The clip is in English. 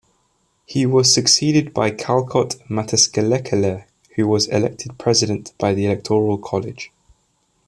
He was succeeded by Kalkot Mataskelekele, who was elected President by the electoral college.